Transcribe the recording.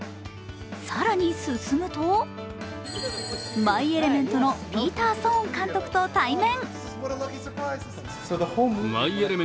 更に進むと、「マイ・エレメント」のピーター・ソーン監督と対面。